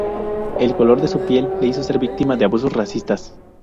El color de su piel le hizo ser víctima de abusos racistas.